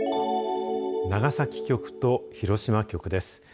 長崎局と広島局です。